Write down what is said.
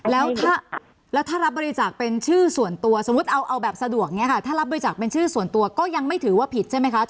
แล้วถ้ารับบริจาคเป็นชื่อส่วนตัวสมมุติเอาแบบสะดวกเนี่ยค่ะถ้ารับบริจาคเป็นชื่อส่วนตัวก็ยังไม่ถือว่าผิดใช่ไหมคะ